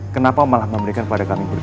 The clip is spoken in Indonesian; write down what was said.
kenapa malah memberikan kepada kami berdua